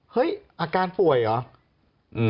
เฮ้ยอาการป่วยเหรอ